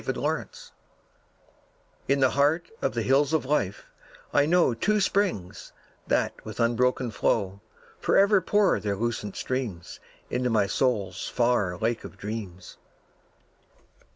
My Springs In the heart of the Hills of Life, I know Two springs that with unbroken flow Forever pour their lucent streams Into my soul's far Lake of Dreams.